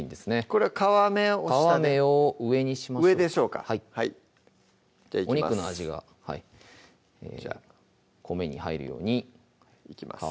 これは皮目を皮目を上にしましょうお肉の味が米に入るようにいきます